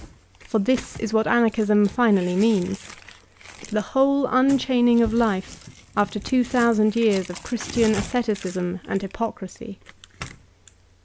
For this b what Anarchism finally means, the whole unchaining of life after two thousand years of Christian asceticism and hypocrisy.